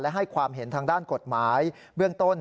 ให้ความเห็นทางด้านกฎหมายเบื้องต้น